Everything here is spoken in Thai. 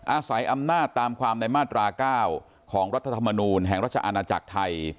อาศัยอำนาจตามความในมาตรา๙ของรัฐธรรมนูลแห่งราชอาณาจักรไทย